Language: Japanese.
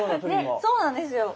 そうなんですよ。